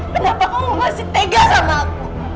kenapa kamu masih tega sama aku